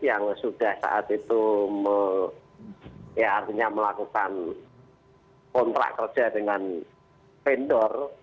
yang sudah saat itu ya artinya melakukan kontrak kerja dengan vendor